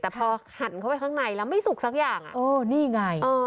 แต่พอหันเข้าไปข้างในแล้วไม่สุกสักอย่างเออนี่ไง